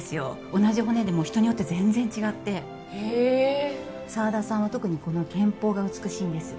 同じ骨でも人によって全然違ってへえー沢田さんは特にこの肩峰が美しいんです